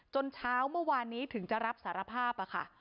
เช้าเมื่อวานนี้ถึงจะรับสารภาพค่ะ